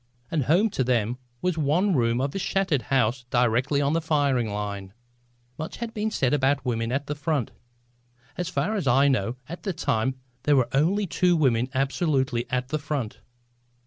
And home to them was one room of a shattered house directly on the firing line. Much has been said about women at the front. As far as I know at that time there were only two women absolutely at the front.